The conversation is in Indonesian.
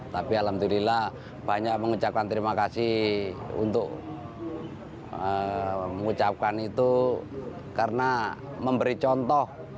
tapi alhamdulillah banyak mengucapkan terima kasih untuk mengucapkan itu karena memberi contoh